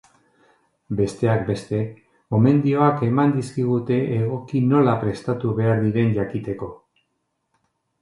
Besteak beste, gomendioak eman dizkigute egoki nola prestatu behar diren jakiteko.